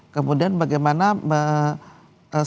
kemudian bagaimana supaya naik sepeda motor